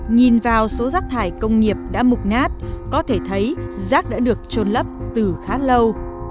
nhìn vào số rác thải công nghiệp đã mục nát có thể thấy rác đã được trôn lấp từ khá lâu